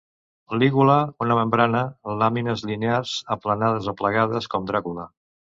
Lígula una membrana; làmines linears, aplanades o plegades, com Dràcula.